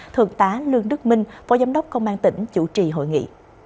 thượng tá lương đức minh phó giám đốc công an tỉnh chủ trì hội nghị